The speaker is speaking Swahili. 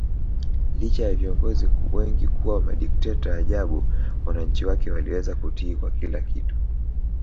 Licha ya viongozi wengi kuwa madikteta ajabu wananchi wake waliweza kutii kwa kila kitu